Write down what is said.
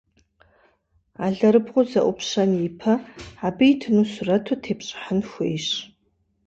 Алэрыбгъур зэIупщэн ипэ, абы итыну сурэтыр тепщIыхьын хуейщ.